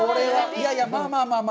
いやいや、まあまあまあ。